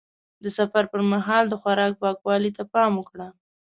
د سفر پر مهال د خوراک پاکوالي ته پام وکړه.